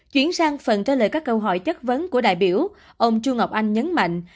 chuyển sang phần trả lời các câu hỏi chất vấn của đại biểu ông chu ngọc anh nhấn mạnh